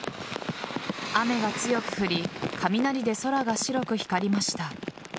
雨が強く降り雷で空が白く光りました。